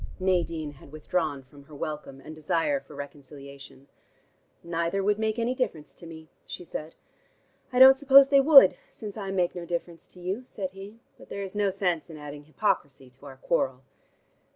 '" Nadine had withdrawn from her welcome and desire for reconciliation. "Neither would make any difference to me," she said. "I don't suppose they would, since I make no difference to you," said he. "But there is no sense in adding hypocrisy to our quarrel."